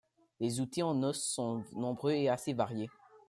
Les outils en os sont nombreux et assez variés.